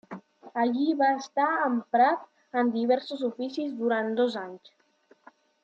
Allí va estar emprat en diversos oficis durant dos anys.